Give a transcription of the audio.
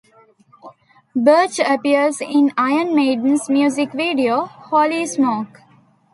Birch appears in Iron Maiden's music video "Holy Smoke".